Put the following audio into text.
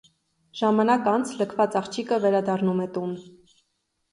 Ժամանակ անց լքված աղջիկը վերադառնում է տուն։